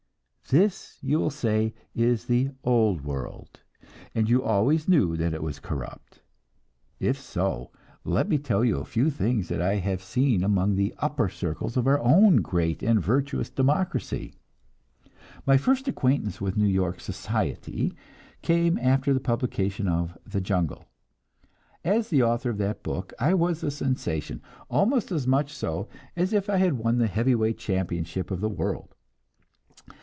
This, you will say, is the "old world," and you always knew that it was corrupt. If so, let me tell you a few things that I have seen among the "upper circles" of our own great and virtuous democracy. My first acquaintance with New York "society" came after the publication of "The Jungle." As the author of that book I was a sensation, almost as much so as if I had won the heavy weight championship of the world.